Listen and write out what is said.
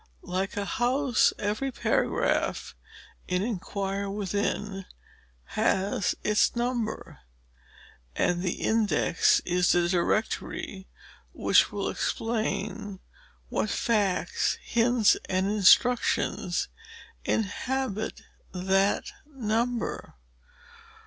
Like a house, every paragraph in "ENQUIRE WITHIN" has its number, and the INDEX is the DIRECTORY which will explain what Facts, Hints, and Instructions inhabit that number.